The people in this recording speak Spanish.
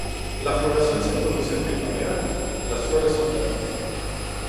La floración se produce en primavera y las flores son verdes.